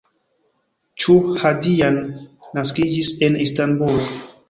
Ĉuhadjian naskiĝis en Istanbulo.